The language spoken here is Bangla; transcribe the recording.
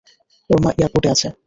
ওর মা এয়ারপোর্টে আছে।